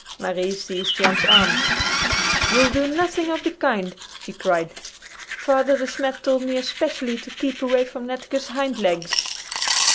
Marie seized Jan's arm. "You'll do nothing of the kind!" she cried. "Father De Smet told me especially to keep away from Netteke's hind legs."